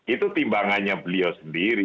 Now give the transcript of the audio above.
itu timbangannya beliau sendiri